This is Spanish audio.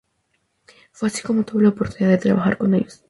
Fue así cómo tuvo la oportunidad de trabajar con ellos.